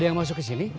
sobat sosial pi